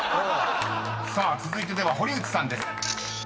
［さあ続いて堀内さんです］